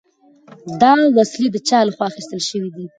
دا وسلې د چا له خوا اخیستل شوي دي؟